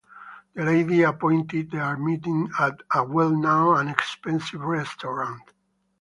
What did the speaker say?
The lady appointed their meeting at a well-known and expensive restaurant.